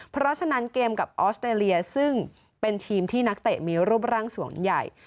เพราะฉะนั้นเกมกับออสเตรเลียซึ่งเป็นทีมที่นักเตะมีรูปร่างส่วนใหญ่